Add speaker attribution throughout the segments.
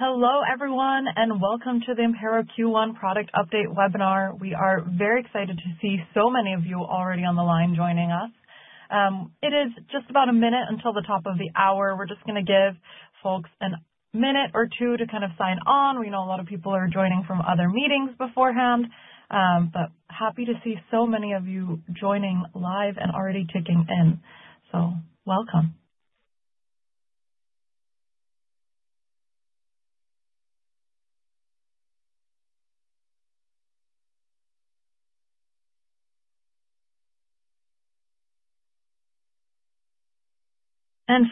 Speaker 1: Hello, everyone, and welcome to the Impero Q1 product update webinar. We are very excited to see so many of you already on the line joining us. It is just about a minute until the top of the hour. We're just going to give folks a minute or two to kind of sign on. We know a lot of people are joining from other meetings beforehand, but happy to see so many of you joining live and already ticking in. Welcome.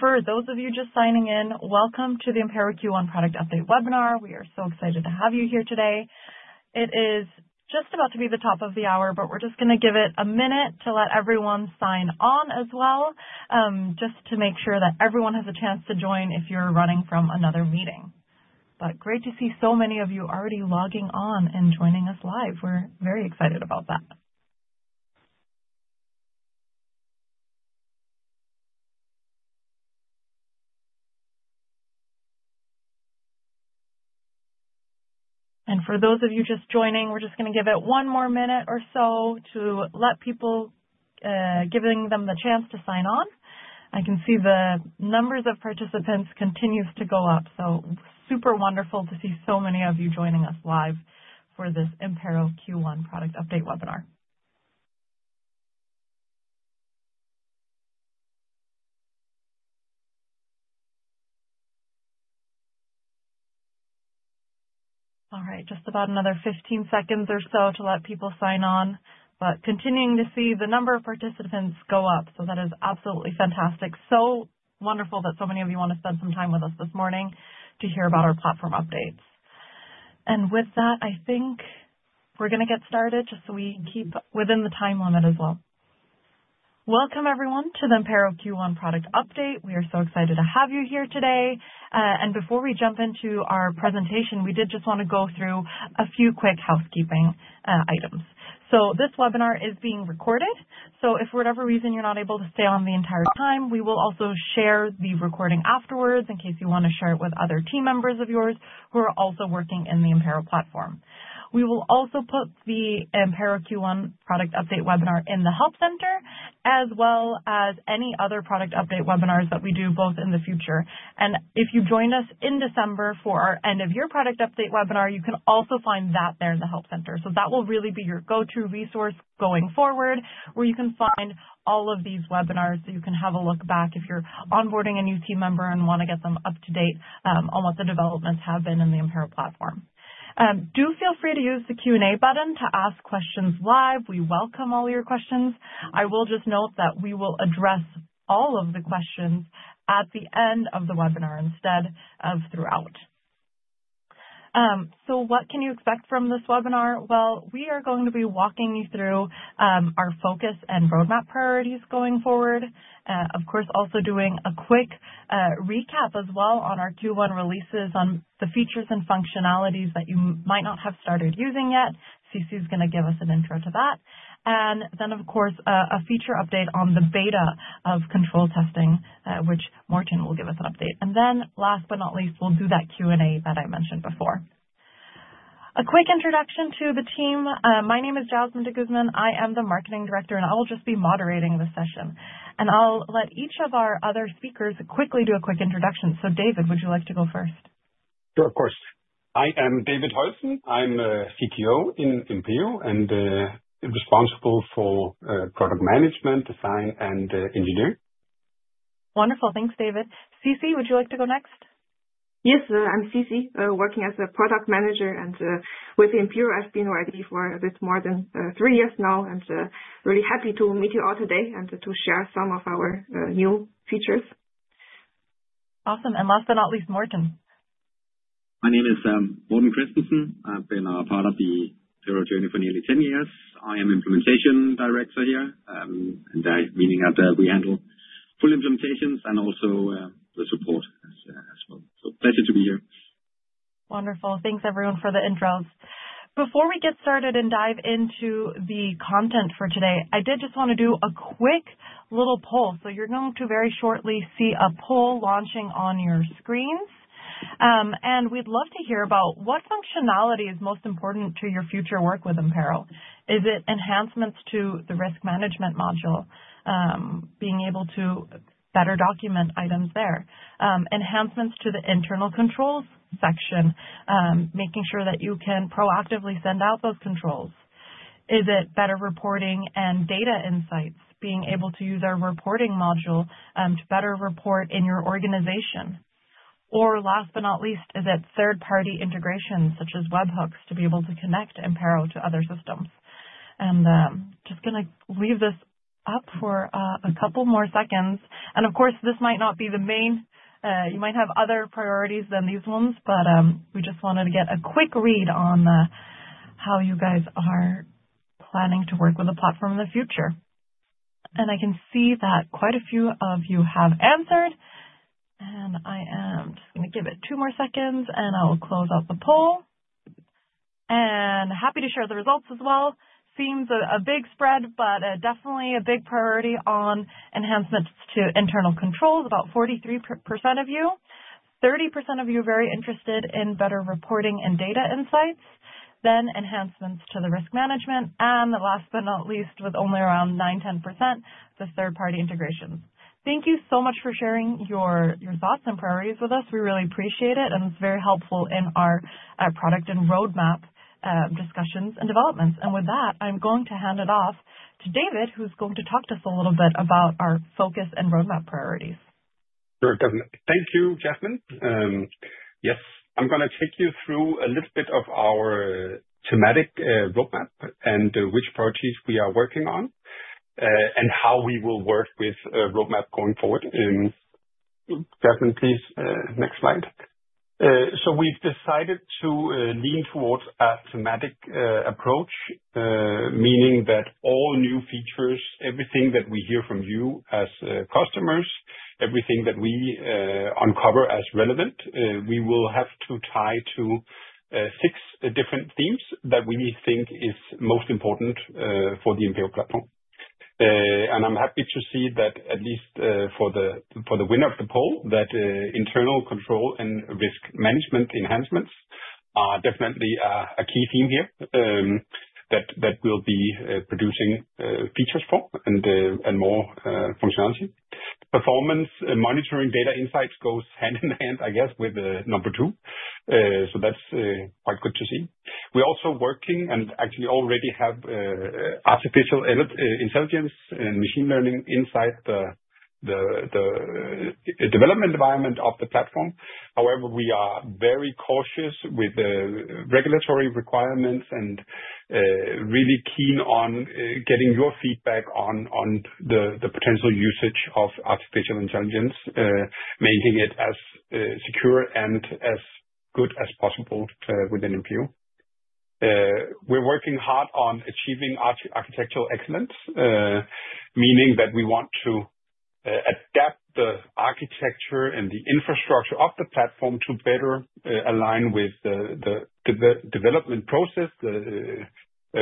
Speaker 1: For those of you just signing in, welcome to the Impero Q1 product update webinar. We are so excited to have you here today. It is just about to be the top of the hour, but we're just going to give it a minute to let everyone sign on as well, just to make sure that everyone has a chance to join if you're running from another meeting. Great to see so many of you already logging on and joining us live. We're very excited about that. For those of you just joining, we're just going to give it one more minute or so to let people, giving them the chance to sign on. I can see the numbers of participants continue to go up. Super wonderful to see so many of you joining us live for this Impero Q1 product update webinar. All right, just about another 15 seconds or so to let people sign on, continuing to see the number of participants go up. That is absolutely fantastic. So wonderful that so many of you want to spend some time with us this morning to hear about our platform updates. With that, I think we're going to get started just so we can keep within the time limit as well. Welcome, everyone, to the Impero Q1 product update. We are so excited to have you here today. Before we jump into our presentation, we did just want to go through a few quick housekeeping items. This webinar is being recorded. If for whatever reason you're not able to stay on the entire time, we will also share the recording afterwards in case you want to share it with other team members of yours who are also working in the Impero platform. We will also put the Impero Q1 product update webinar in the Help Center, as well as any other product update webinars that we do both in the future. If you join us in December for our End-of-Year Product Update webinar, you can also find that there in the Help Center. That will really be your go-to resource going forward, where you can find all of these webinars so you can have a look back if you're onboarding a new team member and want to get them up to date on what the developments have been in the Impero platform. Do feel free to use the Q&A button to ask questions live. We welcome all your questions. I will just note that we will address all of the questions at the end of the webinar instead of throughout. What can you expect from this webinar? We are going to be walking you through our focus and roadmap priorities going forward. Of course, also doing a quick recap as well on our Q1 releases on the features and functionalities that you might not have started using yet. Xisi is going to give us an intro to that. Of course, a feature update on the beta of control testing, which Morten will give us an update. Last but not least, we'll do that Q&A that I mentioned before. A quick introduction to the team. My name is Jasmine de Guzman. I am the Marketing Director, and I will just be moderating the session. I'll let each of our other speakers quickly do a quick introduction. David, would you like to go first?
Speaker 2: Sure, of course. I am David Højelsen. I'm a CTO in Impero and responsible for product management, design, and engineering.
Speaker 1: Wonderful. Thanks, David. Xisi, would you like to go next?
Speaker 3: Yes, I'm Xisi, working as a product manager. With Impero, I've been already for a bit more than three years now, and really happy to meet you all today and to share some of our new features.
Speaker 1: Awesome. Last but not least, Morten.
Speaker 4: My name is Morten Nielsen. I've been a part of the Impero journey for nearly 10 years. I am the Implementation Director here, and that meaning that we handle full implementations and also, the support as well. Pleasure to be here.
Speaker 1: Wonderful. Thanks, everyone, for the intros. Before we get started and dive into the content for today, I did just want to do a quick little poll. You're going to very shortly see a poll launching on your screens. We'd love to hear about what functionality is most important to your future work with Impero. Is it enhancements to the risk management module, being able to better document items there? Enhancements to the internal controls section, making sure that you can proactively send out those controls? Is it better reporting and data insights, being able to use our reporting module to better report in your organization? Or, last but not least, is it third-party integrations such as webhooks to be able to connect Impero to other systems? Just going to leave this up for a couple more seconds. Of course, this might not be the main, you might have other priorities than these ones, but we just wanted to get a quick read on how you guys are planning to work with the platform in the future. I can see that quite a few of you have answered. I am just going to give it two more seconds, and I will close out the poll. Happy to share the results as well. Seems a big spread, but definitely a big priority on enhancements to internal controls, about 43% of you. 30% of you are very interested in better reporting and data insights. Then enhancements to the risk management. Last but not least, with only around 9-10%, the third-party integrations. Thank you so much for sharing your thoughts and priorities with us. We really appreciate it, and it's very helpful in our product and roadmap discussions and developments. With that, I'm going to hand it off to David, who's going to talk to us a little bit about our focus and roadmap priorities.
Speaker 2: Sure, definitely. Thank you, Jasmine. Yes, I'm going to take you through a little bit of our thematic roadmap and which priorities we are working on, and how we will work with a roadmap going forward. Jasmine, please, next slide. We have decided to lean towards a thematic approach, meaning that all new features, everything that we hear from you as customers, everything that we uncover as relevant, we will have to tie to six different themes that we think is most important for the Impero platform. I'm happy to see that at least, for the winner of the poll, that internal control and risk management enhancements are definitely a key theme here, that we will be producing features for and more functionality. Performance monitoring data insights goes hand in hand, I guess, with number two. That is quite good to see. We're also working and actually already have, artificial intelligence and machine learning inside the development environment of the platform. However, we are very cautious with the regulatory requirements and, really keen on getting your feedback on the potential usage of artificial intelligence, making it as secure and as good as possible, within Impero. We're working hard on achieving architectural excellence, meaning that we want to adapt the architecture and the infrastructure of the platform to better align with the development process, the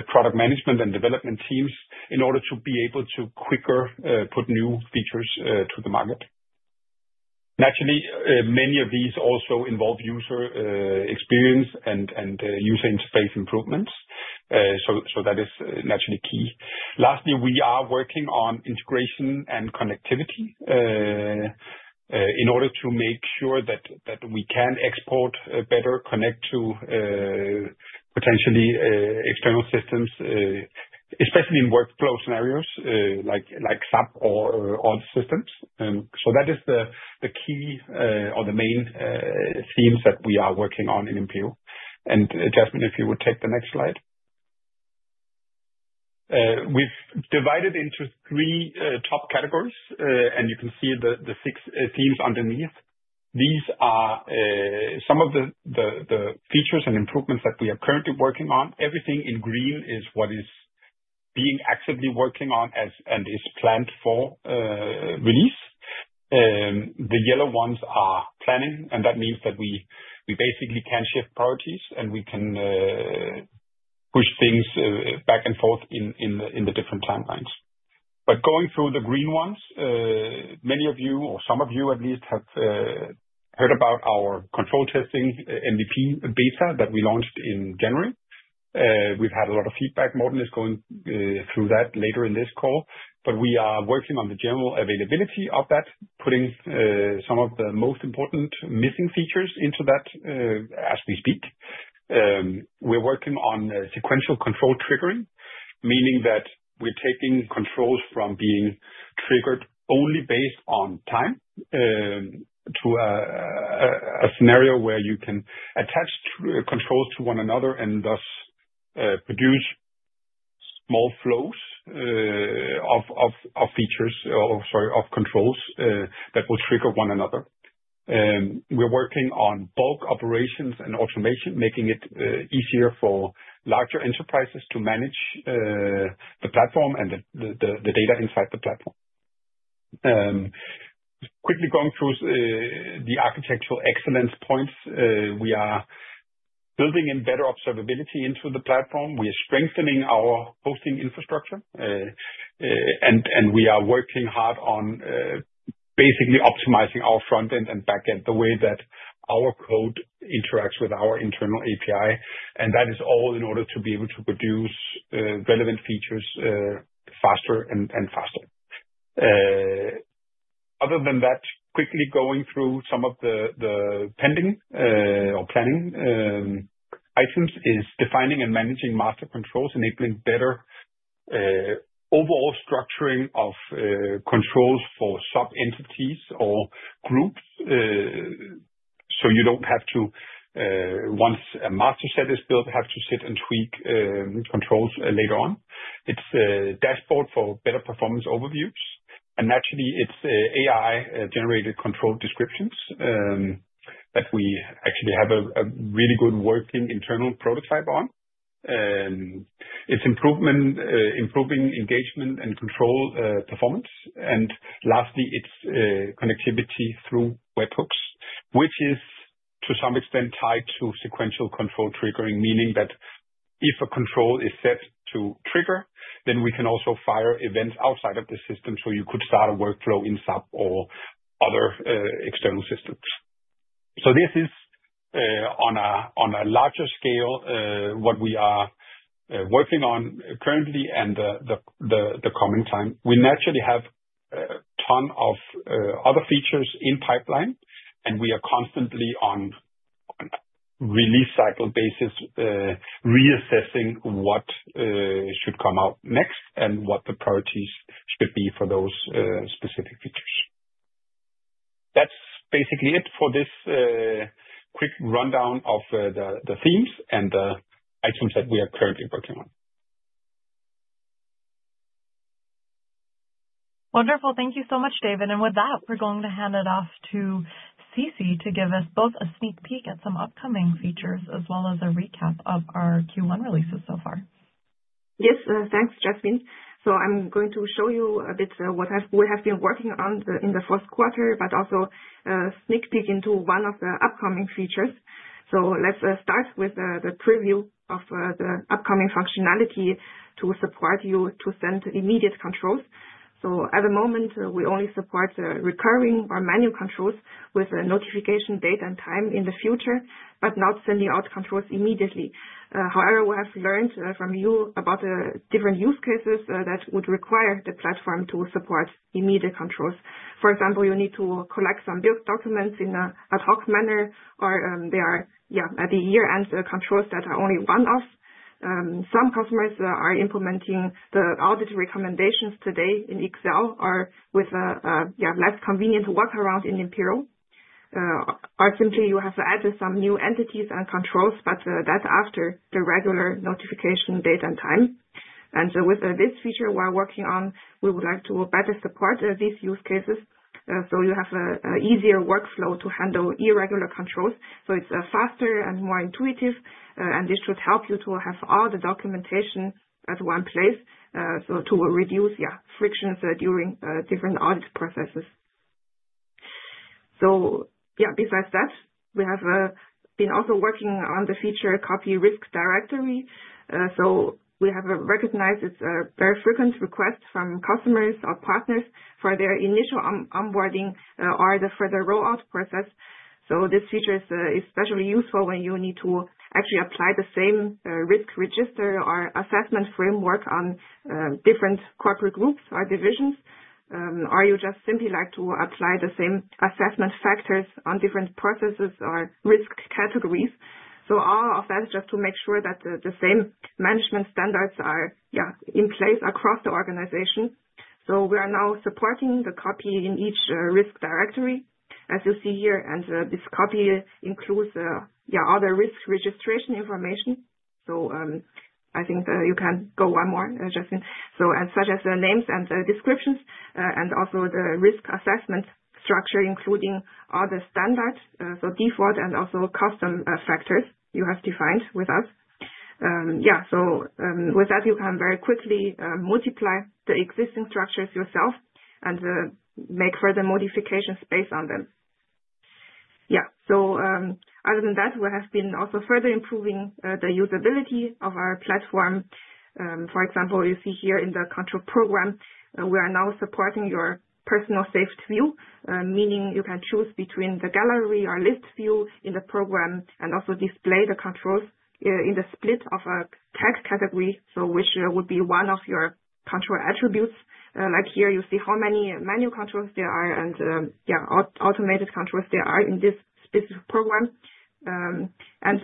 Speaker 2: product management and development teams in order to be able to quicker put new features to the market. Naturally, many of these also involve user experience and user interface improvements. That is naturally key. Lastly, we are working on integration and connectivity, in order to make sure that we can export better, connect to, potentially, external systems, especially in workflow scenarios, like, like SAP or other systems. That is the key, or the main, themes that we are working on in Impero. Jasmine, if you would take the next slide. We've divided into three top categories, and you can see the six themes underneath. These are some of the features and improvements that we are currently working on. Everything in green is what is being actively working on and is planned for release. The yellow ones are planning, and that means that we basically can shift priorities and we can push things back and forth in the different timelines. Going through the green ones, many of you, or some of you at least, have heard about our control testing MVP beta that we launched in January. We've had a lot of feedback. Morten is going through that later in this call. We are working on the general availability of that, putting some of the most important missing features into that, as we speak. We're working on sequential control triggering, meaning that we're taking controls from being triggered only based on time, to a scenario where you can attach controls to one another and thus produce small flows of controls that will trigger one another. We're working on bulk operations and automation, making it easier for larger enterprises to manage the platform and the data inside the platform. Quickly going through, the architectural excellence points, we are building in better observability into the platform. We are strengthening our hosting infrastructure, and we are working hard on basically optimizing our front end and back end, the way that our code interacts with our internal API. That is all in order to be able to produce relevant features, faster and faster. Other than that, quickly going through some of the pending or planning items is defining and managing master controls, enabling better overall structuring of controls for sub-entities or groups, so you don't have to, once a master set is built, have to sit and tweak controls later on. It's a dashboard for better performance overviews. Naturally, it's AI-generated control descriptions that we actually have a really good working internal prototype on. It's improvement, improving engagement and control performance. Lastly, it's connectivity through webhooks, which is to some extent tied to sequential control triggering, meaning that if a control is set to trigger, then we can also fire events outside of the system. You could start a workflow in SAP or other external systems. This is, on a larger scale, what we are working on currently and the coming time. We naturally have a ton of other features in pipeline, and we are constantly on a release cycle basis, reassessing what should come out next and what the priorities should be for those specific features. That's basically it for this quick rundown of the themes and the items that we are currently working on.
Speaker 1: Wonderful. Thank you so much, David. With that, we're going to hand it off to Xisi to give us both a sneak peek at some upcoming features as well as a recap of our Q1 releases so far.
Speaker 3: Yes, thanks, Jasmine. I'm going to show you a bit what we have been working on in the first quarter, but also a sneak peek into one of the upcoming features. Let's start with the preview of the upcoming functionality to support you to send immediate controls. At the moment, we only support recurring or manual controls with notification date and time in the future, but not sending out controls immediately. However, we have learned from you about the different use cases that would require the platform to support immediate controls. For example, you need to collect some build documents in an ad hoc manner, or there are, yeah, at the year-end controls that are only one-off. Some customers are implementing the audit recommendations today in Excel or with a, yeah, less convenient workaround in Impero. You have added some new entities and controls, but that is after the regular notification date and time. With this feature we are working on, we would like to better support these use cases. You have an easier workflow to handle irregular controls, so it is faster and more intuitive, and this should help you to have all the documentation in one place to reduce frictions during different audit processes. Besides that, we have also been working on the feature Copy Risk Directory. We have recognized it is a very frequent request from customers or partners for their initial onboarding or the further rollout process. This feature is especially useful when you need to actually apply the same risk register or assessment framework on different corporate groups or divisions. You just simply like to apply the same assessment factors on different processes or risk categories. All of that is just to make sure that the same management standards are, yeah, in place across the organization. We are now supporting the copy in each risk directory, as you see here. This copy includes, yeah, other risk registration information. I think you can go one more, Jasmine. Such as the names and the descriptions and also the risk assessment structure, including all the standards, so default and also custom factors you have defined with us. With that, you can very quickly multiply the existing structures yourself and make further modifications based on them. Other than that, we have been also further improving the usability of our platform. For example, you see here in the control program, we are now supporting your personal saved view, meaning you can choose between the gallery or list view in the program and also display the controls in the split of a tag category. Which would be one of your control attributes. Like here, you see how many manual controls there are and, yeah, automated controls there are in this specific program.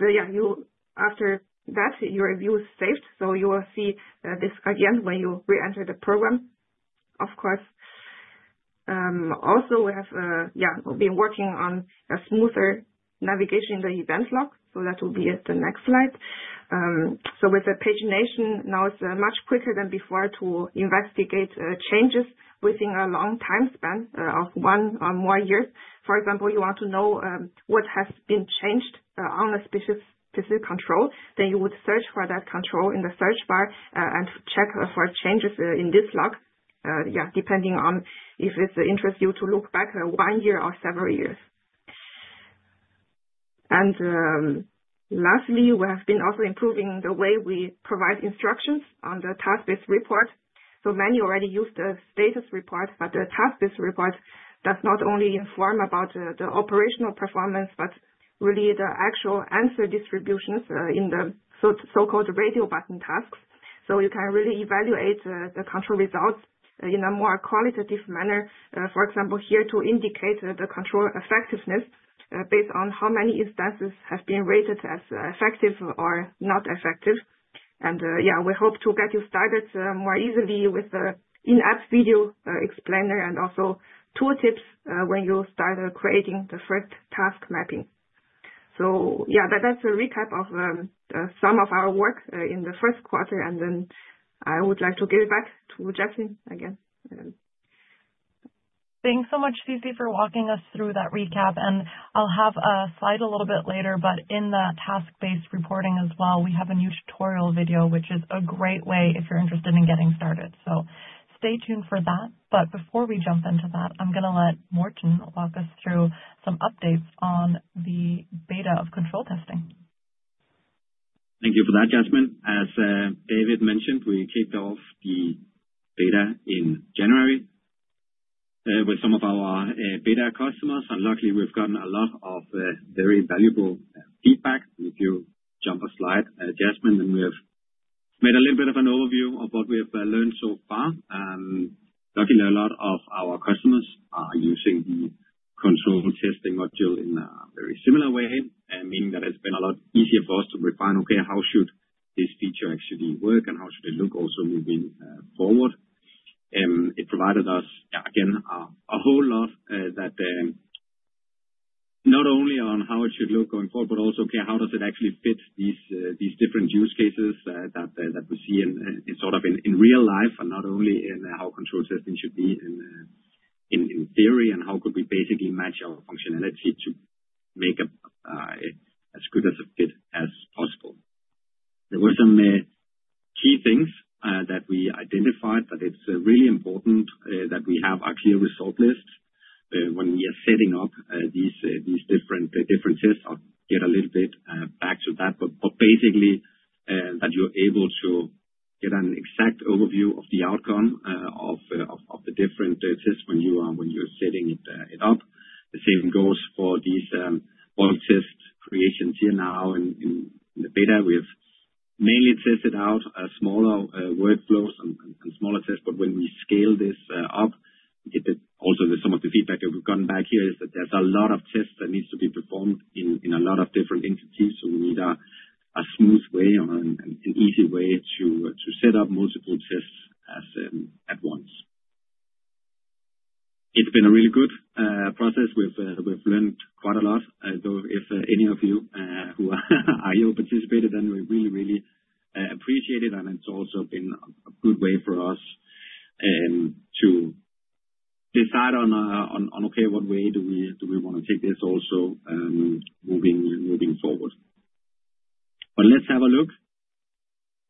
Speaker 3: Yeah, you, after that, your view is saved. You will see this again when you re-enter the program, of course. Also, we have, yeah, been working on a smoother navigation in the event log. That will be the next slide. With the pagination, now it's much quicker than before to investigate changes within a long time span of one or more years. For example, you want to know what has been changed on a specific control, you would search for that control in the search bar and check for changes in this log, yeah, depending on if it interests you to look back one year or several years. Lastly, we have been also improving the way we provide instructions on the task-based report. Many already use the status report, but the task-based report does not only inform about the operational performance, but really the actual answer distributions in the so-called radio button tasks. You can really evaluate the control results in a more qualitative manner. For example, here to indicate the control effectiveness based on how many instances have been rated as effective or not effective. Yeah, we hope to get you started more easily with the in-app video explainer and also tooltips when you start creating the first task mapping. That is a recap of some of our work in the first quarter. I would like to give it back to Jasmine again.
Speaker 1: Thanks so much, Xisi, for walking us through that recap. I will have a slide a little bit later, but in the task-based reporting as well, we have a new tutorial video, which is a great way if you're interested in getting started. Stay tuned for that. Before we jump into that, I'm going to let Morten walk us through some updates on the beta of control testing.
Speaker 4: Thank you for that, Jasmine. As David mentioned, we kicked off the beta in January with some of our beta customers. Luckily, we've gotten a lot of very valuable feedback. If you jump a slide, Jasmine, we have made a little bit of an overview of what we have learned so far. Luckily, a lot of our customers are using the control testing module in a very similar way, meaning that it's been a lot easier for us to refine, okay, how should this feature actually work and how should it look also moving forward? It provided us, again, a whole lot that not only on how it should look going forward, but also, okay, how does it actually fit these different use cases that we see in sort of in real life and not only in how control testing should be in theory and how could we basically match our functionality to make as good as a fit as possible. There were some key things that we identified that it's really important that we have a clear result list when we are setting up these different tests. I'll get a little bit back to that, but basically that you're able to get an exact overview of the outcome of the different tests when you are setting it up. The same goes for these bulk test creations here now in the beta. We have mainly tested out smaller workflows and smaller tests, but when we scale this up, also some of the feedback that we've gotten back here is that there's a lot of tests that need to be performed in a lot of different entities. We need a smooth way and an easy way to set up multiple tests at once. It's been a really good process. We've learned quite a lot. If any of you who are here participated, we really, really appreciate it. It's also been a good way for us to decide on, okay, what way do we want to take this also moving forward? Let's have a look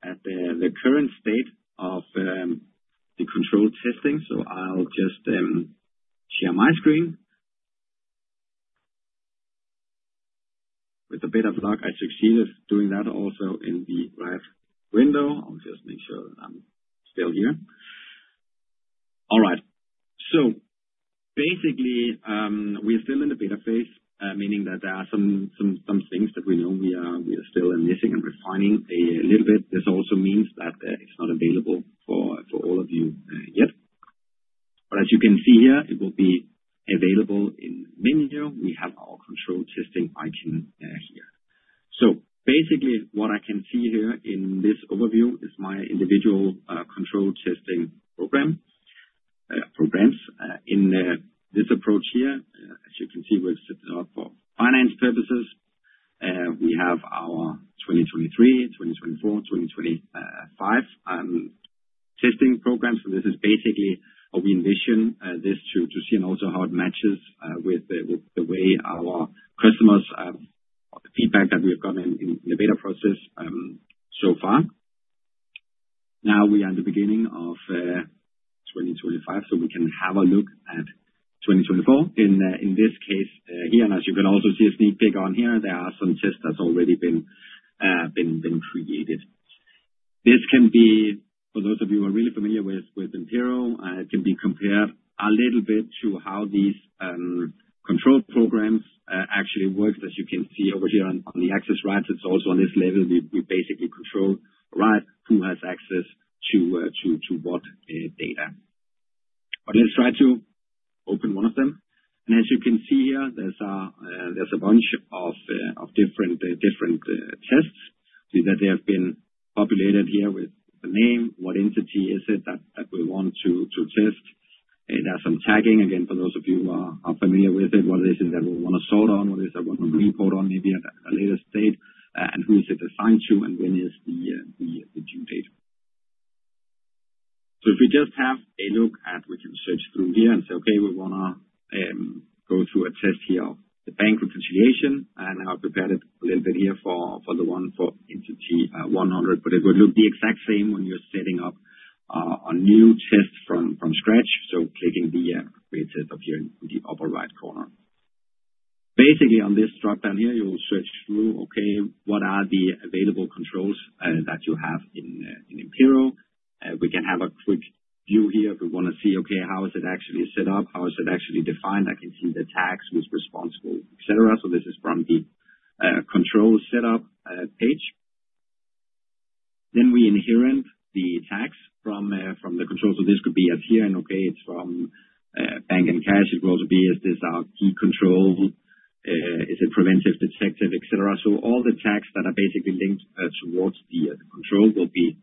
Speaker 4: at the current state of the control testing. I'll just share my screen. With a bit of luck, I succeeded doing that also in the right window. I'll just make sure that I'm still here. All right. Basically, we're still in the beta phase, meaning that there are some things that we know we are still missing and refining a little bit. This also means that it's not available for all of you yet. As you can see here, it will be available in the menu. We have our control testing icon here. Basically, what I can see here in this overview is my individual control testing program. Programs in this approach here, as you can see, we've set it up for finance purposes. We have our 2023, 2024, 2025 testing programs. This is basically how we envision this to see and also how it matches with the way our customers or the feedback that we have gotten in the beta process so far. Now we are in the beginning of 2025, so we can have a look at 2024 in this case here. As you can also see a sneak peek on here, there are some tests that have already been created. This can be, for those of you who are really familiar with Impero, it can be compared a little bit to how these control programs actually work. As you can see over here on the axis right, it's also on this level. We basically control right who has access to what data. Let's try to open one of them. As you can see here, there's a bunch of different tests that have been populated here with the name, what entity is it that we want to test. There's some tagging again for those of you who are familiar with it. What is it that we want to sort on? What is it that we want to report on maybe at a later date? Who is it assigned to? When is the due date? If we just have a look at, we can search through here and say, okay, we want to go through a test here of the bank reconciliation. I have prepared it a little bit here for the one for entity 100. It would look the exact same when you are setting up a new test from scratch. Clicking the create test up here in the upper right corner. Basically, on this dropdown here, you will search through, okay, what are the available controls that you have in Impero? We can have a quick view here if we want to see, okay, how is it actually set up? How is it actually defined? I can see the tags with responsible, etc. This is from the control setup page. We inherit the tags from the control. This could be as here. Okay, it's from bank and cash. It will also be as this our key control. Is it preventive, detective, etc.? All the tags that are basically linked towards the control will be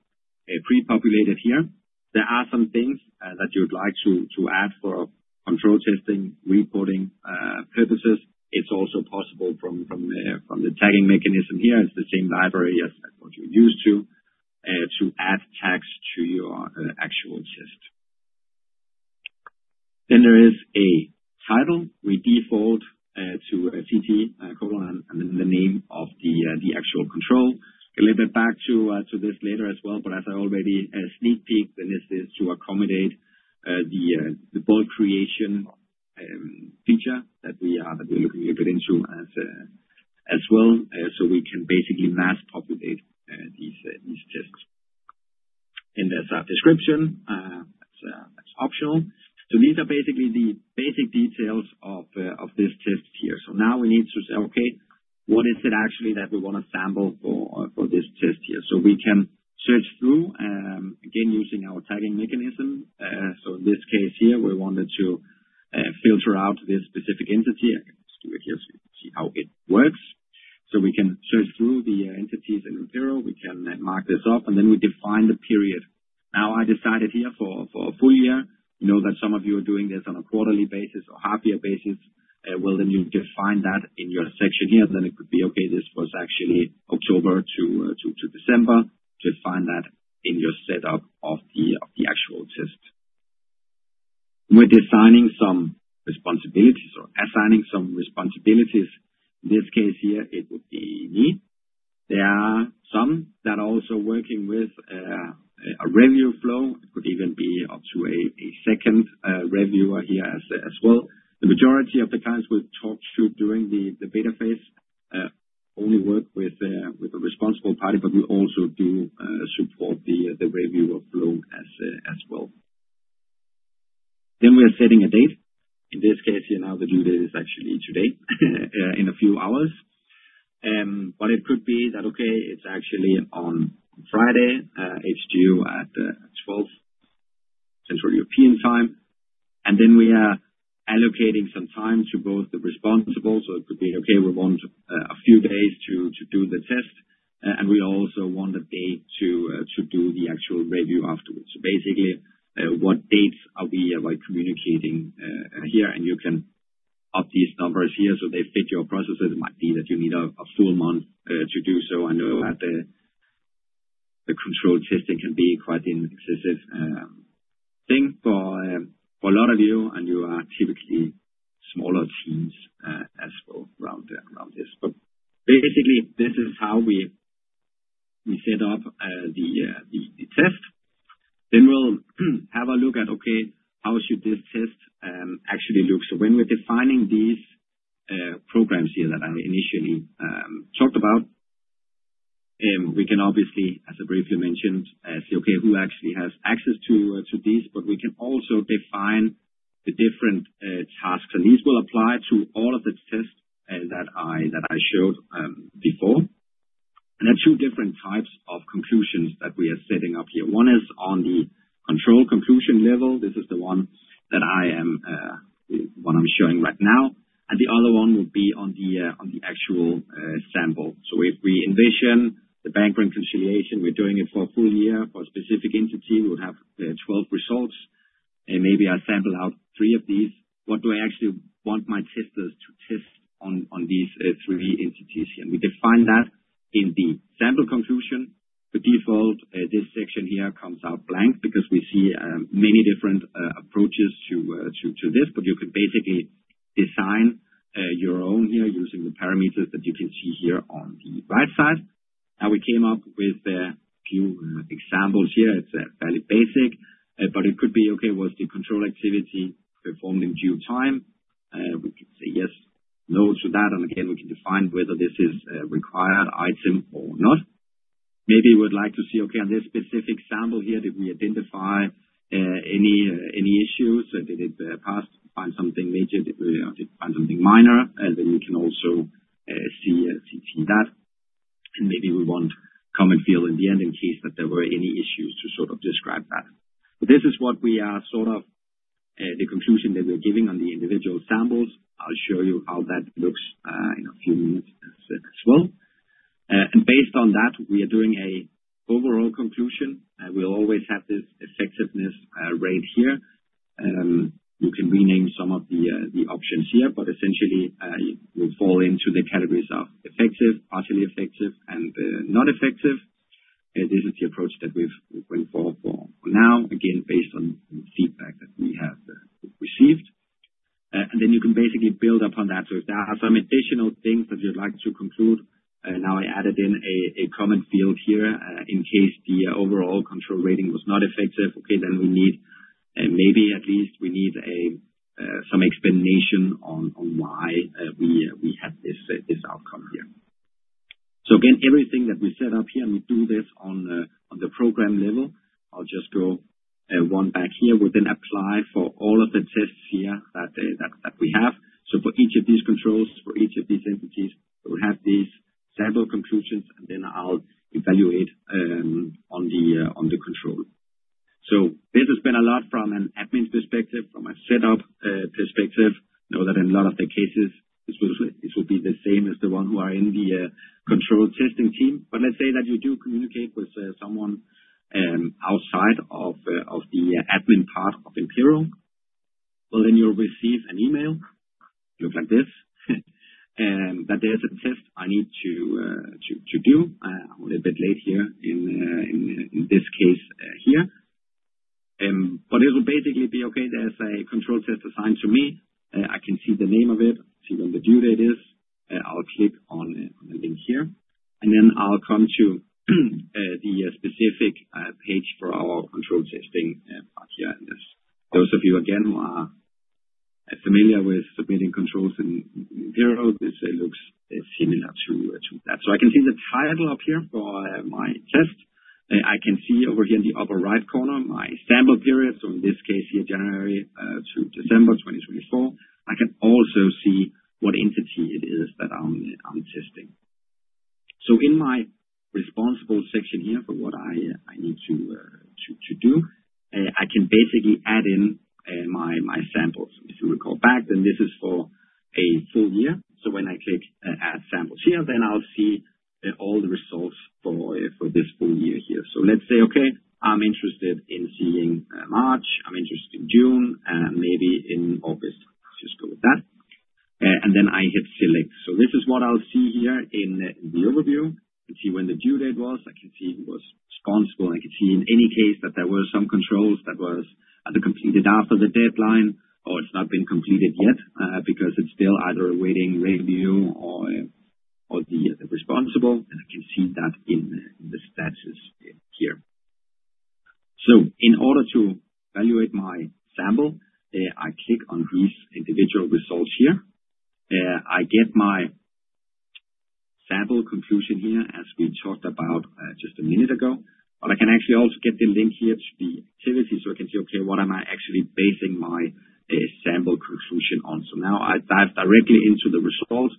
Speaker 4: pre-populated here. There are some things that you'd like to add for control testing reporting purposes. It's also possible from the tagging mechanism here. It's the same library as what you're used to to add tags to your actual test. There is a title. We default to a CT colon and then the name of the actual control. I'll get back to this later as well. As I already sneak peeked, this is to accommodate the bulk creation feature that we are looking a little bit into as well. We can basically mass populate these tests. There is a description. That is optional. These are basically the basic details of this test here. Now we need to say, okay, what is it actually that we want to sample for this test here? We can search through, again, using our tagging mechanism. In this case here, we wanted to filter out this specific entity. I can just do it here so you can see how it works. We can search through the entities in Impero. We can mark this off. Then we define the period. I decided here for a full year. You know that some of you are doing this on a quarterly basis or half-year basis. You define that in your section here. It could be, okay, this was actually October to December. Define that in your setup of the actual test. We're designing some responsibilities or assigning some responsibilities. In this case here, it would be me. There are some that are also working with a review flow. It could even be up to a second reviewer here as well. The majority of the clients we've talked to during the beta phase only work with a responsible party, but we also do support the reviewer flow as well. We are setting a date. In this case here, now the due date is actually today in a few hours. It could be that, okay, it's actually on Friday, HGU at 12:00 P.M. Central European Time. We are allocating some time to both the responsible. It could be, okay, we want a few days to do the test. We also want a day to do the actual review afterwards. Basically, what dates are we communicating here? You can up these numbers here so they fit your processes. It might be that you need a full month to do so. I know that the control testing can be quite an excessive thing for a lot of you, and you are typically smaller teams as well around this. Basically, this is how we set up the test. We will have a look at, okay, how should this test actually look? When we are defining these programs here that I initially talked about, we can obviously, as I briefly mentioned, see, okay, who actually has access to these. We can also define the different tasks. These will apply to all of the tests that I showed before. There are two different types of conclusions that we are setting up here. One is on the control conclusion level. This is the one that I am showing right now. The other one would be on the actual sample. If we envision the bank reconciliation, we're doing it for a full year for a specific entity. We would have 12 results. Maybe I sample out three of these. What do I actually want my testers to test on these three entities here? We define that in the sample conclusion. By default, this section here comes out blank because we see many different approaches to this. You can basically design your own here using the parameters that you can see here on the right side. Now we came up with a few examples here. It's fairly basic, but it could be, okay, was the control activity performed in due time? We can say yes, no to that. Again, we can define whether this is a required item or not. Maybe we'd like to see, okay, on this specific sample here, did we identify any issues? Did it pass? Find something major? Did we find something minor? We can also see that. Maybe we want a comment field in the end in case that there were any issues to sort of describe that. This is what we are sort of the conclusion that we're giving on the individual samples. I'll show you how that looks in a few minutes as well. Based on that, we are doing an overall conclusion. We'll always have this effectiveness rate here. You can rename some of the options here, but essentially, it will fall into the categories of effective, partially effective, and not effective. This is the approach that we've gone for now, again, based on the feedback that we have received. You can basically build upon that. If there are some additional things that you'd like to conclude, I added in a comment field here in case the overall control rating was not effective. Okay, then we need maybe at least we need some explanation on why we had this outcome here. Everything that we set up here, and we do this on the program level. I'll just go one back here. We'll then apply for all of the tests here that we have. For each of these controls, for each of these entities, we'll have these sample conclusions, and then I'll evaluate on the control. This has been a lot from an admin perspective, from a setup perspective. I know that in a lot of the cases, this will be the same as the one who are in the control testing team. Let's say that you do communicate with someone outside of the admin part of Impero. You'll receive an email looking like this that there's a test I need to do. I'm a little bit late here in this case here. It will basically be, okay, there's a control test assigned to me. I can see the name of it, see when the due date is. I'll click on the link here. I will come to the specific page for our control testing part here. Those of you, again, who are familiar with submitting controls in Impero, this looks similar to that. I can see the title up here for my test. I can see over here in the upper right corner, my sample period. In this case here, January to December 2024. I can also see what entity it is that I'm testing. In my responsible section here for what I need to do, I can basically add in my samples. If you recall back, this is for a full year. When I click add samples here, I'll see all the results for this full year here. Let's say, okay, I'm interested in seeing March. I'm interested in June, maybe in August. I'll just go with that. I hit select. This is what I'll see here in the overview. You can see when the due date was. I can see who was responsible. I can see in any case that there were some controls that were either completed after the deadline or it's not been completed yet because it's still either awaiting review or the responsible. I can see that in the statuses here. In order to evaluate my sample, I click on these individual results here. I get my sample conclusion here as we talked about just a minute ago. I can actually also get the link here to the activity. I can see, okay, what am I actually basing my sample conclusion on? Now I dive directly into the result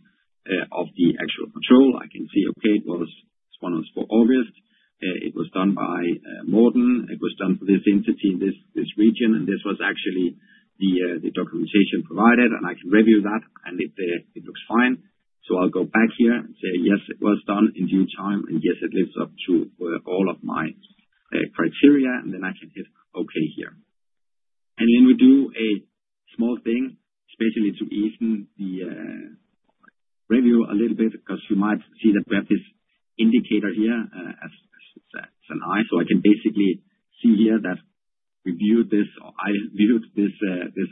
Speaker 4: of the actual control. I can see, okay, this one was for August. It was done by Morten. It was done for this entity in this region. This was actually the documentation provided. I can review that. It looks fine. I will go back here and say, yes, it was done in due time. Yes, it lives up to all of my criteria. I can hit okay here. We do a small thing, especially to ease the review a little bit because you might see that we have this indicator here as an eye. I can basically see here that we viewed this or I viewed this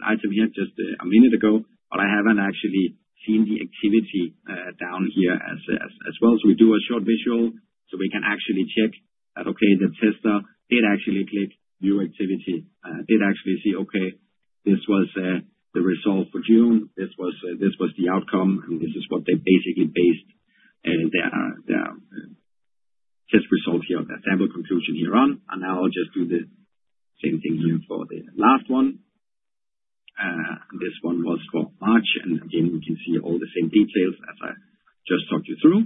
Speaker 4: item here just a minute ago, but I have not actually seen the activity down here as well. We do a short visual so we can actually check that, okay, the tester did actually click view activity. Did actually see, okay, this was the result for June. This was the outcome. This is what they basically based their test results here, their sample conclusion here on. Now I'll just do the same thing here for the last one. This one was for March. Again, you can see all the same details as I just talked you through.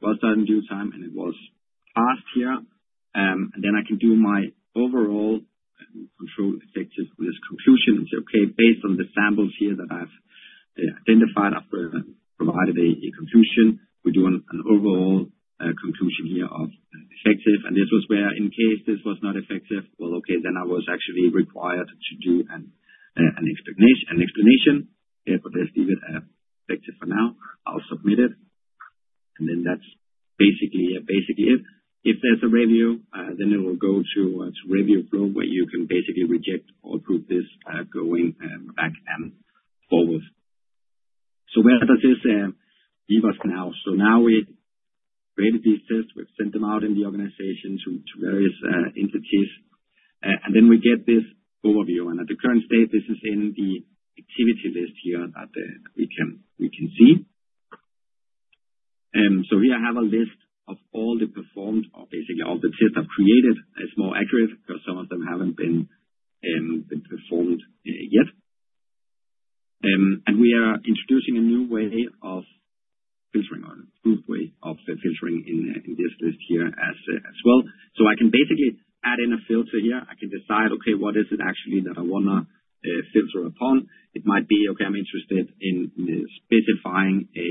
Speaker 4: Was done in due time. It was passed here. I can do my overall control effective for this conclusion and say, okay, based on the samples here that I've identified, I've provided a conclusion. We do an overall conclusion here of effective. This was where, in case this was not effective, well, okay, then I was actually required to do an explanation. Let's leave it effective for now. I'll submit it. That's basically it. If there's a review, then it will go to review flow where you can basically reject or approve this going back and forward. Where does this leave us now? Now we've created these tests. We've sent them out in the organization to various entities. Then we get this overview. At the current state, this is in the activity list here that we can see. Here I have a list of all the performed or basically all the tests I've created. It's more accurate because some of them haven't been performed yet. We are introducing a new way of filtering or a new way of filtering in this list here as well. I can basically add in a filter here. I can decide, okay, what is it actually that I want to filter upon? It might be, okay, I'm interested in specifying a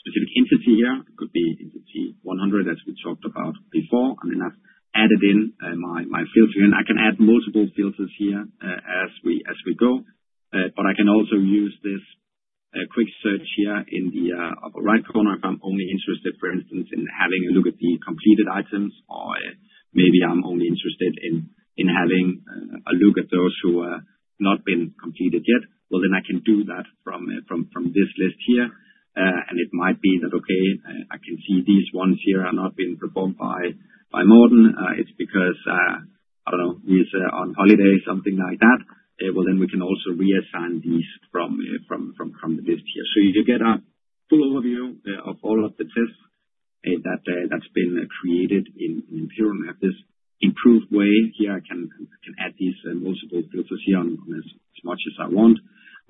Speaker 4: specific entity here. It could be entity 100 as we talked about before. I have added in my filter here. I can add multiple filters here as we go. I can also use this quick search here in the upper right corner if I'm only interested, for instance, in having a look at the completed items or maybe I'm only interested in having a look at those who have not been completed yet. I can do that from this list here. It might be that, okay, I can see these ones here are not being performed by Morten. It's because, I don't know, he's on holiday, something like that. We can also reassign these from the list here. You get a full overview of all of the tests that have been created in Impero. I have this improved way here. I can add these multiple filters here as much as I want.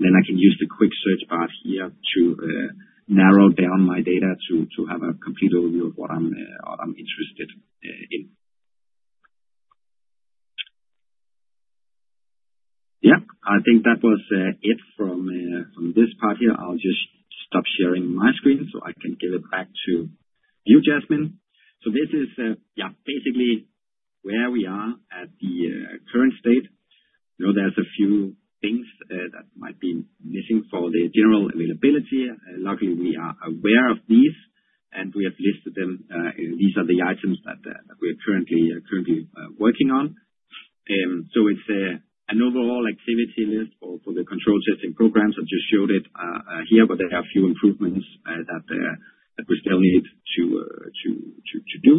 Speaker 4: I can use the quick search bar here to narrow down my data to have a complete overview of what I'm interested in. Yeah. I think that was it from this part here. I'll just stop sharing my screen so I can give it back to you, Jasmine. This is, yeah, basically where we are at the current state. There are a few things that might be missing for the general availability. Luckily, we are aware of these. We have listed them. These are the items that we're currently working on. It is an overall activity list for the control testing programs. I just showed it here, but there are a few improvements that we still need to do.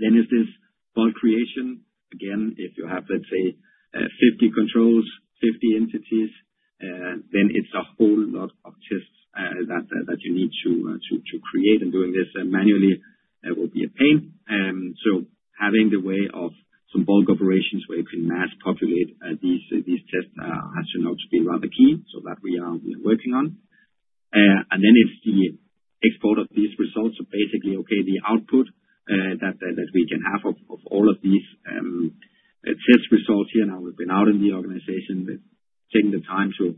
Speaker 4: There is this bulk creation. Again, if you have, let's say, 50 controls, 50 entities, then it is a whole lot of tests that you need to create. Doing this manually will be a pain. Having the way of some bulk operations where you can mass populate these tests has to be rather key, so that we are working on. It is the export of these results. Basically, the output that we can have of all of these test results here. Now we have been out in the organization taking the time to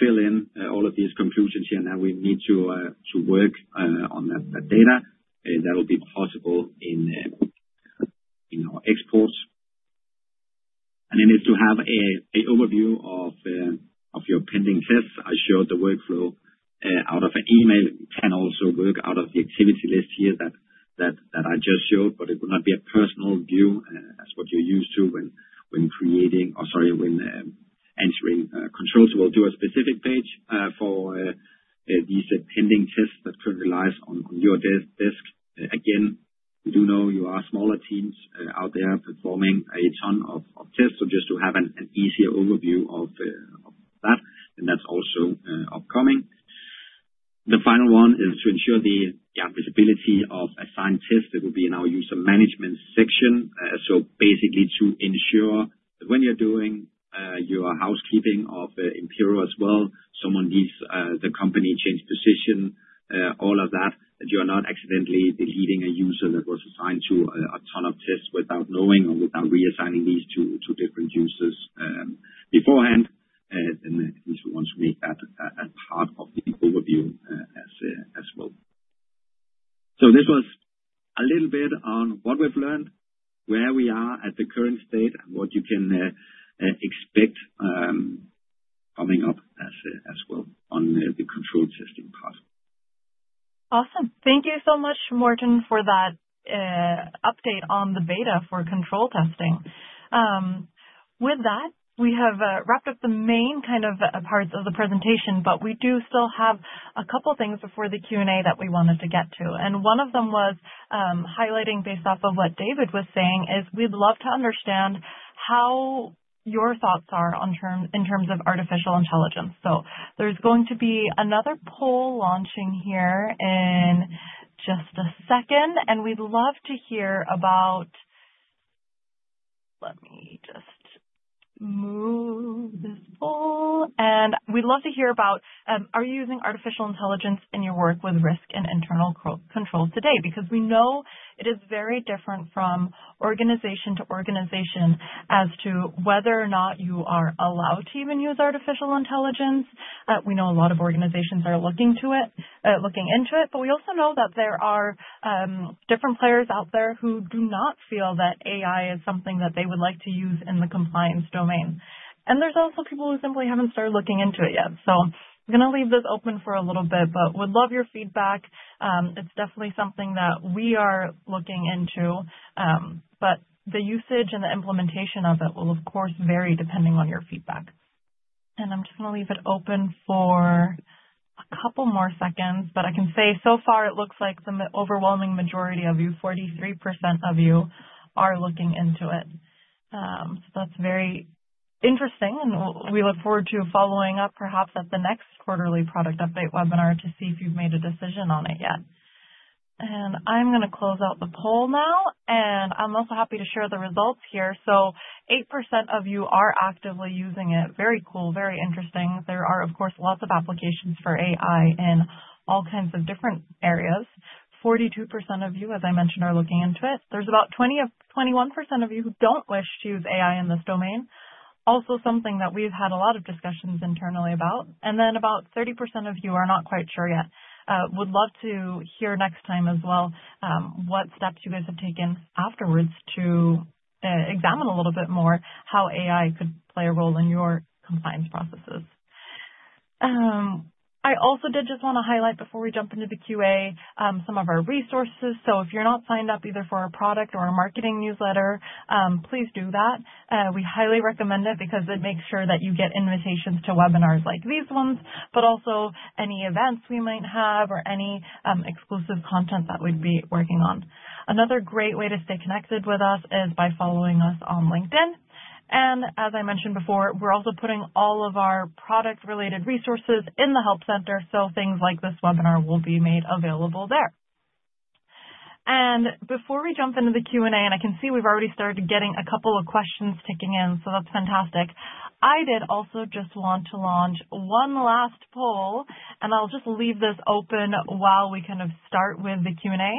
Speaker 4: fill in all of these conclusions here. Now we need to work on that data. That will be possible in our exports. If you have an overview of your pending tests, I showed the workflow out of an email. You can also work out of the activity list here that I just showed, but it will not be a personal view as what you're used to when creating or, sorry, when entering controls. We'll do a specific page for these pending tests that currently lies on your desk. Again, we do know you are smaller teams out there performing a ton of tests. Just to have an easier overview of that, and that's also upcoming. The final one is to ensure the visibility of assigned tests. It will be in our user management section. Basically, to ensure that when you're doing your housekeeping of Impero as well, someone leaves the company, changed position, all of that, that you're not accidentally deleting a user that was assigned to a ton of tests without knowing or without reassigning these to different users beforehand. We want to make that a part of the overview as well. This was a little bit on what we've learned, where we are at the current state, and what you can expect coming up as well on the control testing part.
Speaker 1: Awesome. Thank you so much, Morten, for that update on the beta for control testing. With that, we have wrapped up the main kind of parts of the presentation, but we do still have a couple of things before the Q&A that we wanted to get to. One of them was highlighting, based off of what David was saying, we would love to understand how your thoughts are in terms of artificial intelligence. There is going to be another poll launching here in just a second. We would love to hear about—let me just move this poll. We would love to hear about, are you using artificial intelligence in your work with risk and internal control today? We know it is very different from organization to organization as to whether or not you are allowed to even use artificial intelligence. We know a lot of organizations are looking into it, but we also know that there are different players out there who do not feel that AI is something that they would like to use in the compliance domain. There are also people who simply have not started looking into it yet. I'm going to leave this open for a little bit, but would love your feedback. It's definitely something that we are looking into. The usage and the implementation of it will, of course, vary depending on your feedback. I'm just going to leave it open for a couple more seconds. I can say so far, it looks like the overwhelming majority of you, 43% of you, are looking into it. That's very interesting. We look forward to following up perhaps at the next quarterly product update webinar to see if you've made a decision on it yet. I'm going to close out the poll now. I'm also happy to share the results here. 8% of you are actively using it. Very cool. Very interesting. There are, of course, lots of applications for AI in all kinds of different areas. 42% of you, as I mentioned, are looking into it. There's about 21% of you who don't wish to use AI in this domain. Also something that we've had a lot of discussions internally about. About 30% of you are not quite sure yet. Would love to hear next time as well what steps you guys have taken afterwards to examine a little bit more how AI could play a role in your compliance processes. I also did just want to highlight before we jump into the Q&A some of our resources. If you're not signed up either for our product or our marketing newsletter, please do that. We highly recommend it because it makes sure that you get invitations to webinars like these ones, but also any events we might have or any exclusive content that we'd be working on. Another great way to stay connected with us is by following us on LinkedIn. As I mentioned before, we're also putting all of our product-related resources in the help center. Things like this webinar will be made available there. Before we jump into the Q&A, I can see we've already started getting a couple of questions ticking in, so that's fantastic. I did also just want to launch one last poll, and I'll just leave this open while we kind of start with the Q&A.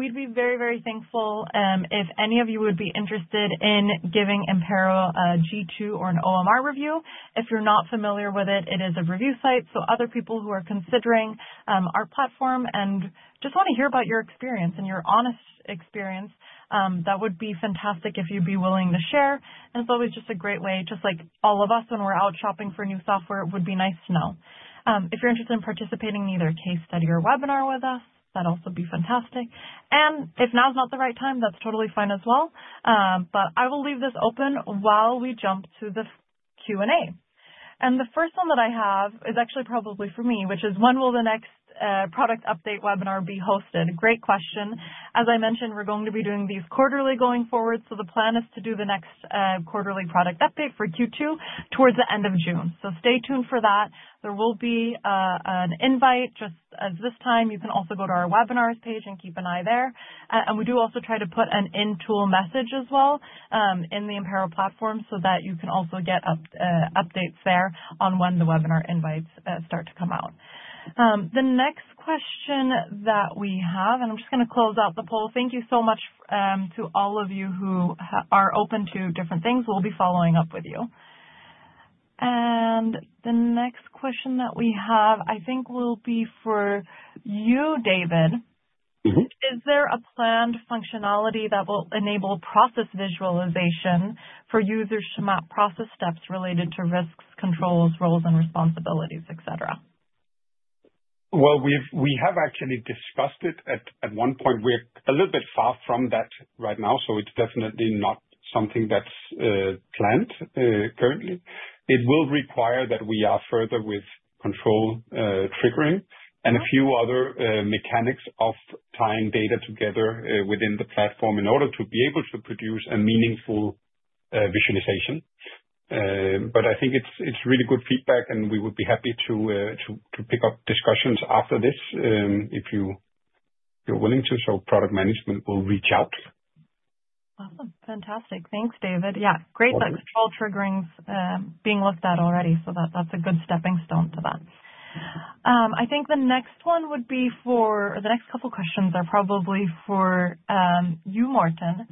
Speaker 1: We'd be very, very thankful if any of you would be interested in giving Impero a G2 or an OMR review. If you're not familiar with it, it is a review site. Other people who are considering our platform and just want to hear about your experience and your honest experience, that would be fantastic if you'd be willing to share. It's always just a great way, just like all of us when we're out shopping for new software, it would be nice to know. If you're interested in participating in either case study or webinar with us, that'd also be fantastic. If now's not the right time, that's totally fine as well. I will leave this open while we jump to the Q&A. The first one that I have is actually probably for me, which is when will the next product update webinar be hosted? Great question. As I mentioned, we're going to be doing these quarterly going forward. The plan is to do the next quarterly product update for Q2 towards the end of June. Stay tuned for that. There will be an invite just as this time. You can also go to our webinars page and keep an eye there. We do also try to put an in-tool message as well in the Impero platform so that you can also get updates there on when the webinar invites start to come out. The next question that we have, and I'm just going to close out the poll. Thank you so much to all of you who are open to different things. We'll be following up with you. The next question that we have, I think, will be for you, David. Is there a planned functionality that will enable process visualization for users to map process steps related to risks, controls, roles, and responsibilities, etc.?
Speaker 2: We have actually discussed it at one point. We're a little bit far from that right now. It's definitely not something that's planned currently. It will require that we are further with control triggering and a few other mechanics of tying data together within the platform in order to be able to produce a meaningful visualization. I think it's really good feedback, and we would be happy to pick up discussions after this if you're willing to. Product management will reach out.
Speaker 1: Awesome. Fantastic. Thanks, David. Yeah. Great that control triggering's being looked at already. That's a good stepping stone to that. I think the next one would be for the next couple of questions are probably for you, Morten,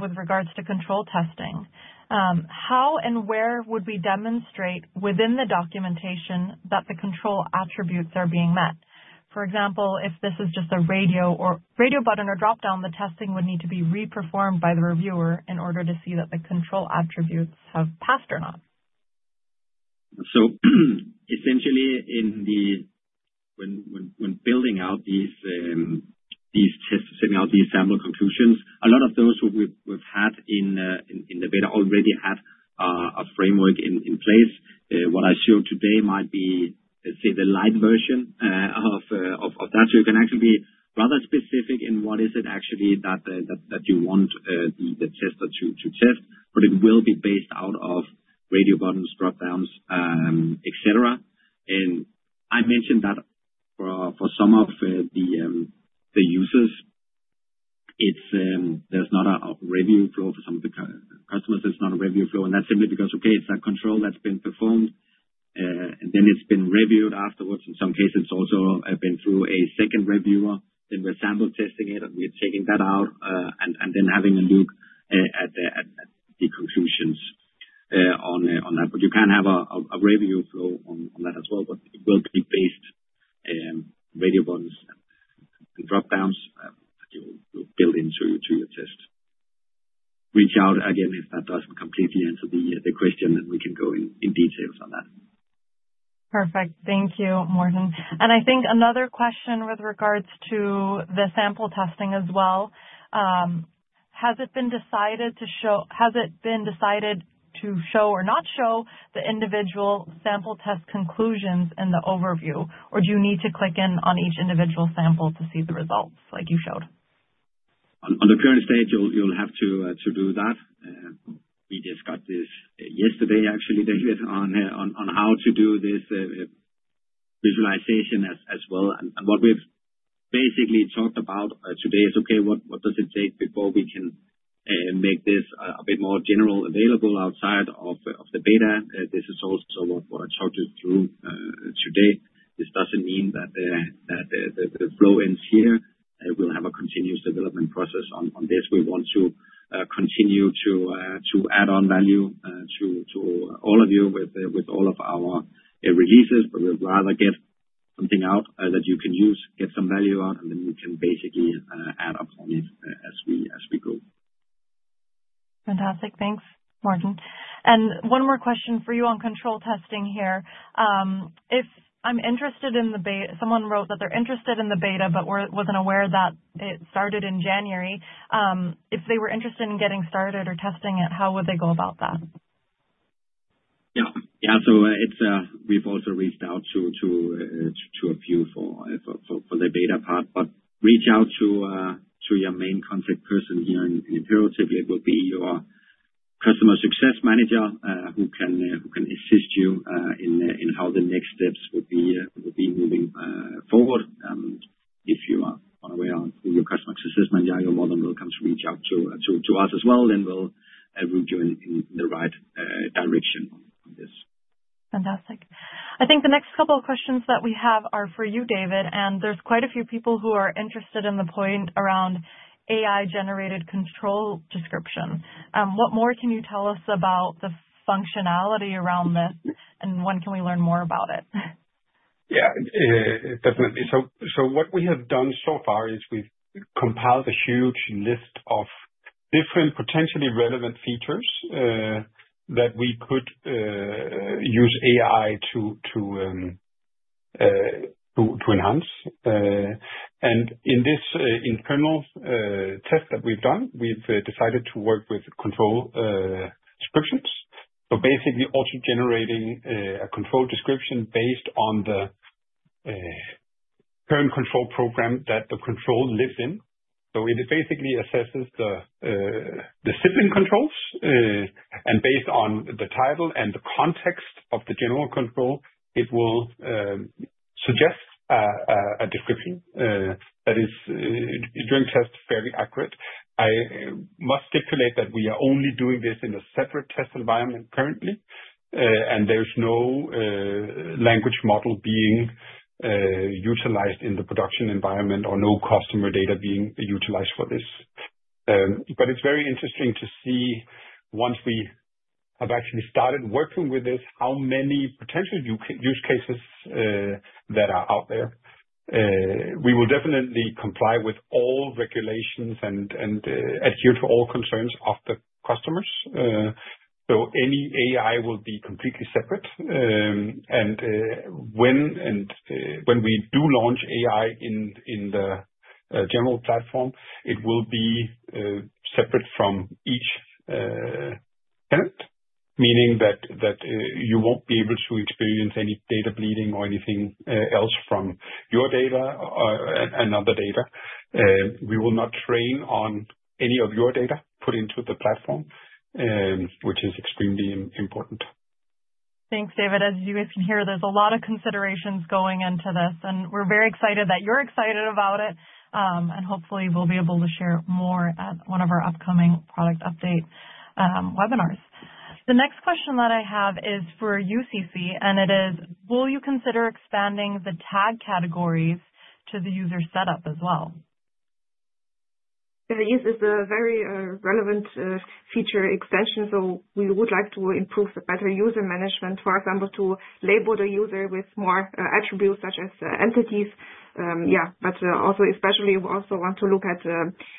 Speaker 1: with regards to control testing. How and where would we demonstrate within the documentation that the control attributes are being met? For example, if this is just a radio button or dropdown, the testing would need to be reperformed by the reviewer in order to see that the control attributes have passed or not.
Speaker 4: Essentially, when building out these tests, setting out these sample conclusions, a lot of those we've had in the beta already have a framework in place. What I showed today might be, let's say, the light version of that. You can actually be rather specific in what is it actually that you want the tester to test, but it will be based out of radio buttons, dropdowns, etc. I mentioned that for some of the users, there's not a review flow for some of the customers. There's not a review flow. That's simply because, okay, it's a control that's been performed, and then it's been reviewed afterwards. In some cases, it's also been through a second reviewer. We're sample testing it, and we're taking that out and then having a look at the conclusions on that. You can have a review flow on that as well, but it will be based on radio buttons and dropdowns that you'll build into your test. Reach out again if that doesn't completely answer the question, and we can go in details on that.
Speaker 1: Perfect. Thank you, Morten. I think another question with regards to the sample testing as well. Has it been decided to show or not show the individual sample test conclusions in the overview, or do you need to click in on each individual sample to see the results like you showed?
Speaker 4: On the current stage, you'll have to do that. We discussed this yesterday, actually, David, on how to do this visualization as well. What we've basically talked about today is, okay, what does it take before we can make this a bit more general available outside of the beta? This is also what I talked through today. This doesn't mean that the flow ends here. We'll have a continuous development process on this. We want to continue to add on value to all of you with all of our releases, but we'd rather get something out that you can use, get some value out, and then you can basically add up on it as we go.
Speaker 1: Fantastic. Thanks, Morten. One more question for you on control testing here. If I'm interested in the—someone wrote that they're interested in the beta, but wasn't aware that it started in January. If they were interested in getting started or testing it, how would they go about that?
Speaker 4: Yeah. Yeah. We've also reached out to a few for the beta part, but reach out to your main contact person here in Impero typically. It will be your customer success manager who can assist you in how the next steps will be moving forward. If you are unaware of who your customer success manager is, you're more than welcome to reach out to us as well. We will route you in the right direction on this.
Speaker 1: Fantastic. I think the next couple of questions that we have are for you, David. There are quite a few people who are interested in the point around AI-generated control description. What more can you tell us about the functionality around this, and when can we learn more about it?
Speaker 2: Yeah. Definitely. What we have done so far is we've compiled a huge list of different potentially relevant features that we could use AI to enhance. In this internal test that we've done, we've decided to work with control descriptions. Basically, auto-generating a control description based on the current control program that the control lives in. It basically assesses the sibling controls. Based on the title and the context of the general control, it will suggest a description that is, during test, fairly accurate. I must stipulate that we are only doing this in a separate test environment currently, and there's no language model being utilized in the production environment or no customer data being utilized for this. It is very interesting to see once we have actually started working with this, how many potential use cases that are out there. We will definitely comply with all regulations and adhere to all concerns of the customers. Any AI will be completely separate. When we do launch AI in the general platform, it will be separate from each tenant, meaning that you won't be able to experience any data bleeding or anything else from your data and other data. We will not train on any of your data put into the platform, which is extremely important.
Speaker 1: Thanks, David. As you guys can hear, there's a lot of considerations going into this. We are very excited that you're excited about it. Hopefully, we'll be able to share more at one of our upcoming product update webinars. The next question that I have is for UCC, and it is, will you consider expanding the tag categories to the user setup as well?
Speaker 3: Yes. It's a very relevant feature extension. We would like to improve the better user management, for example, to label the user with more attributes such as entities. Yeah. Also, especially, we also want to look at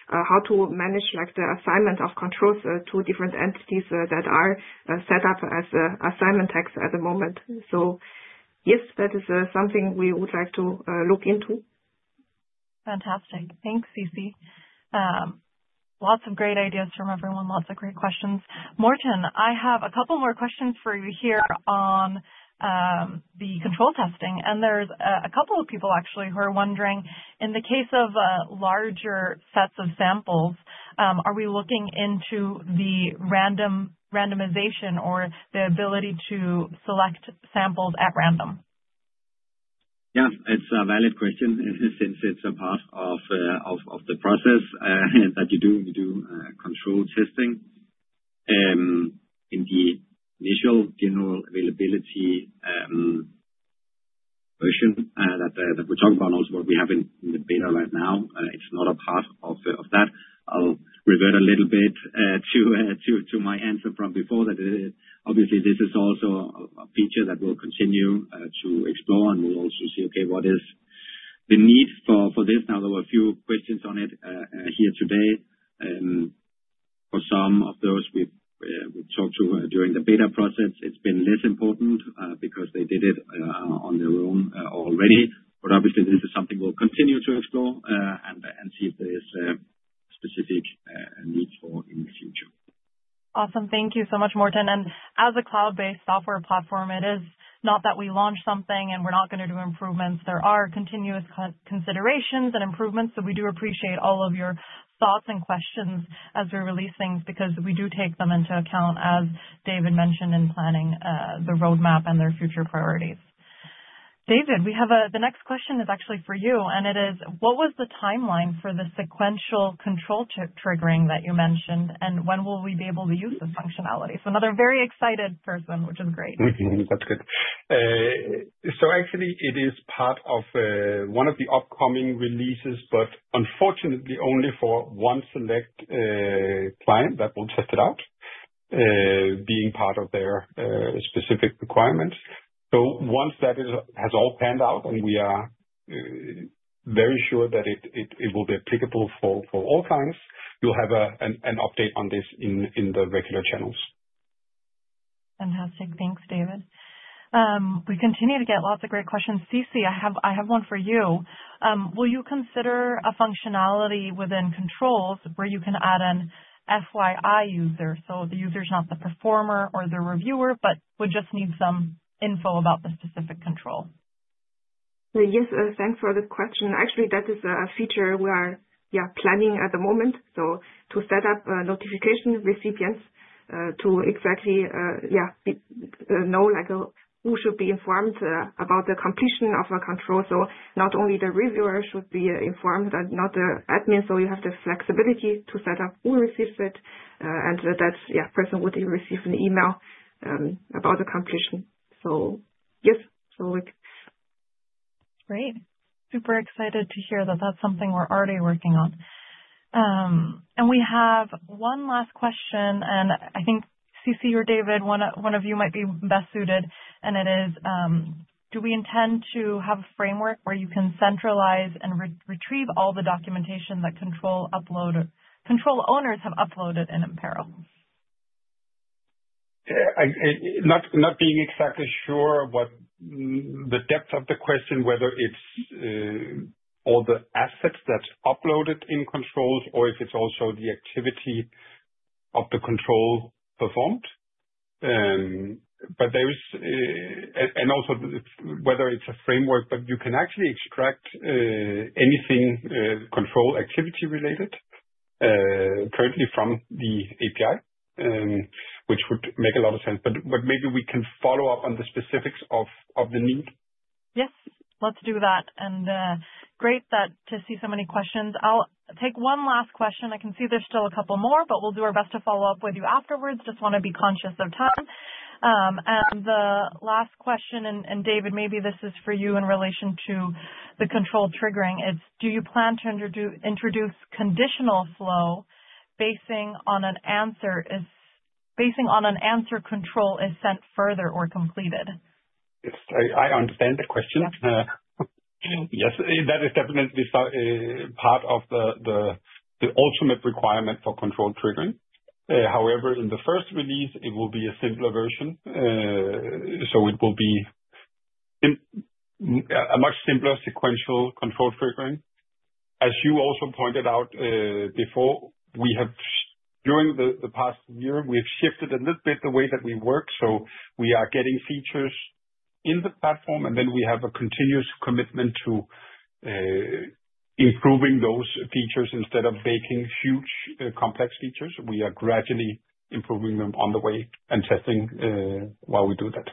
Speaker 3: how to manage the assignment of controls to different entities that are set up as assignment tags at the moment. Yes, that is something we would like to look into.
Speaker 1: Fantastic. Thanks, Xisi. Lots of great ideas from everyone. Lots of great questions. Morten, I have a couple more questions for you here on the control testing. There are a couple of people actually who are wondering, in the case of larger sets of samples, are we looking into the randomization or the ability to select samples at random?
Speaker 4: Yeah. It's a valid question since it's a part of the process that you do control testing in the initial general availability version that we talk about also, what we have in the beta right now. It's not a part of that. I'll revert a little bit to my answer from before. Obviously, this is also a feature that we'll continue to explore and we'll also see, okay, what is the need for this. Now, there were a few questions on it here today. For some of those we've talked to during the beta process, it's been less important because they did it on their own already. Obviously, this is something we'll continue to explore and see if there's a specific need for in the future.
Speaker 1: Awesome. Thank you so much, Morten. As a cloud-based software platform, it is not that we launch something and we're not going to do improvements. There are continuous considerations and improvements. We do appreciate all of your thoughts and questions as we release things because we do take them into account, as David mentioned in planning the roadmap and their future priorities. David, the next question is actually for you, and it is, what was the timeline for the sequential control triggering that you mentioned, and when will we be able to use the functionality? Another very excited person, which is great. That's good.
Speaker 2: Actually, it is part of one of the upcoming releases, but unfortunately, only for one select client that will test it out being part of their specific requirements. Once that has all panned out and we are very sure that it will be applicable for all clients, you'll have an update on this in the regular channels.
Speaker 1: Fantastic. Thanks, David. We continue to get lots of great questions. Xisi, I have one for you. Will you consider a functionality within controls where you can add an FYI user? The user is not the performer or the reviewer, but would just need some info about the specific control.
Speaker 3: Yes. Thanks for the question. Actually, that is a feature we are planning at the moment. To set up notification recipients to exactly know who should be informed about the completion of a control. Not only the reviewer should be informed, not the admin. You have the flexibility to set up who receives it, and that person would receive an email about the completion.
Speaker 1: Yes. Great. Super excited to hear that that's something we're already working on. We have one last question, and I think Xisi or David, one of you might be best suited. It is, do we intend to have a framework where you can centralize and retrieve all the documentation that control owners have uploaded in Impero?
Speaker 2: Not being exactly sure what the depth of the question, whether it's all the assets that's uploaded in controls or if it's also the activity of the control performed. Also, whether it's a framework, you can actually extract anything control activity-related currently from the API, which would make a lot of sense. Maybe we can follow up on the specifics of the need.
Speaker 1: Yes, let's do that. Great to see so many questions. I'll take one last question. I can see there's still a couple more, but we'll do our best to follow up with you afterwards. I just want to be conscious of time. The last question, and David, maybe this is for you in relation to the control triggering, is do you plan to introduce conditional flow basing on an answer control is sent further or completed?
Speaker 2: I understand the question. Yes, that is definitely part of the ultimate requirement for control triggering. However, in the first release, it will be a simpler version. It will be a much simpler sequential control triggering. As you also pointed out before, during the past year, we've shifted a little bit the way that we work. We are getting features in the platform, and then we have a continuous commitment to improving those features instead of baking huge complex features. We are gradually improving them on the way and testing while we do that.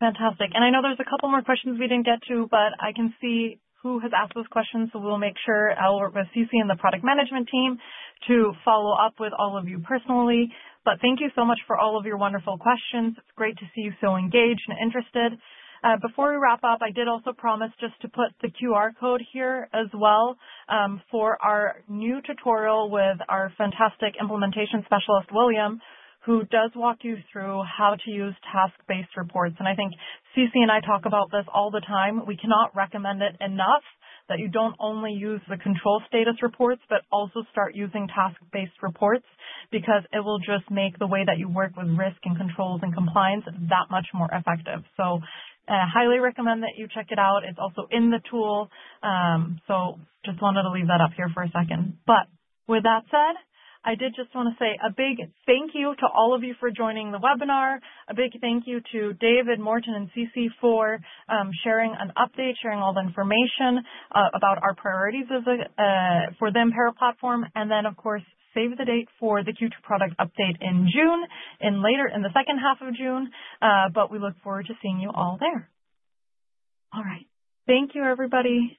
Speaker 1: Fantastic. I know there's a couple more questions we didn't get to, but I can see who has asked those questions. We'll make sure I'll work with Xisi and the product management team to follow up with all of you personally. Thank you so much for all of your wonderful questions. It's great to see you so engaged and interested. Before we wrap up, I did also promise just to put the QR code here as well for our new tutorial with our fantastic implementation specialist, William, who does walk you through how to use task-based reports. I think Xisi and I talk about this all the time. We cannot recommend it enough that you do not only use the control status reports, but also start using task-based reports because it will just make the way that you work with risk and controls and compliance that much more effective. I highly recommend that you check it out. It is also in the tool. I just wanted to leave that up here for a second. With that said, I did just want to say a big thank you to all of you for joining the webinar. A big thank you to David, Morten, and Xisi for sharing an update, sharing all the information about our priorities for the Impero platform. Of course, save the date for the Q2 product update in June, later in the second half of June. We look forward to seeing you all there. All right. Thank you, everybody.